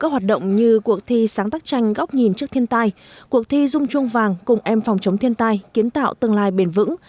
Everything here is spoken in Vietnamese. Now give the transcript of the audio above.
các hoạt động như cuộc thi sáng tác tranh góc nhìn trước thiên tai cuộc thi dung chuông vàng cùng em phòng chống thiên tai kiến tạo tương lai bền vững